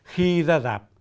khi ra dạp